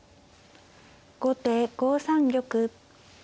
後手５三玉。